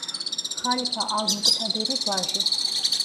ხალიფა ალ-მუკთადირის ვაჟი.